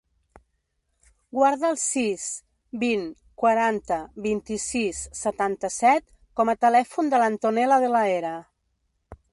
Guarda el sis, vint, quaranta, vint-i-sis, setanta-set com a telèfon de l'Antonella De La Hera.